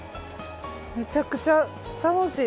めちゃくちゃ楽しい。